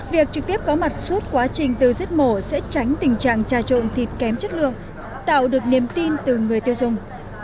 việc trực tiếp có mặt suốt quá trình từ giết mổ sẽ tránh tình trạng trà trộn thịt kém chất lượng tạo được niềm tin từ người tiêu dùng